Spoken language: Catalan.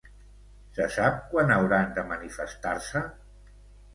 Se sap quan hauran de manifestar-se?